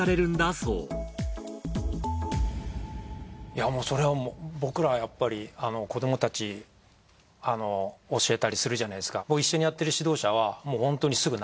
そうそれは僕らはやっぱり子どもたち教えたりするじゃないですか。